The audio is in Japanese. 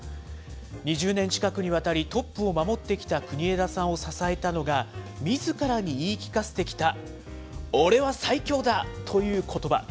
２０年近くにわたり、トップを守ってきた国枝さんを支えたのが、みずからに言い聞かせてきた、オレは最強だ！ということば。